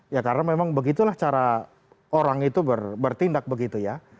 ya karena memang begitulah cara orang itu bertindak begitu ya